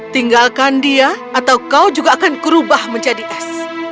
tinggalkan dia atau kau juga akan kerubah menjadi es